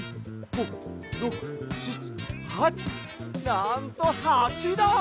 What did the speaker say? なんと８だん！